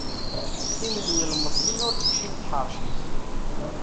Tin n yilmeẓyen ur tekcim tḥerci.